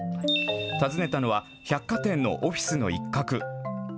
訪ねたのは、百貨店のオフィスの一角。